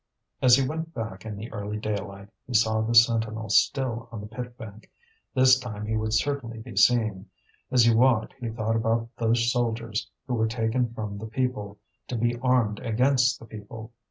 As he went back in the early daylight, he saw the sentinel still on the pit bank. This time he would certainly be seen. As he walked he thought about those soldiers who were taken from the people, to be armed against the people.